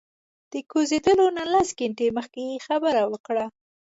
د کوزیدلو نه لس ګنټې مخکې یې خبره وکړه.